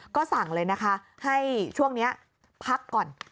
ก็สั่งเลยนะคะให้ช่วงนี้พักก่อน